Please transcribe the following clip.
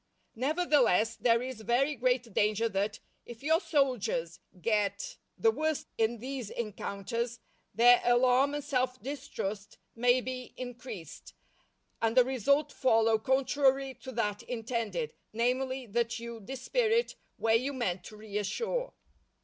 _" Nevertheless, there is very great danger that, if your soldiers get the worst in these encounters, their alarm and self distrust may be increased, and a result follow contrary to that intended, namely, that you dispirit where you meant to reassure.